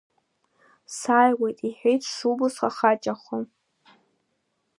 Сааиуеит, – иҳәеит, сшубо, схаха-чахо…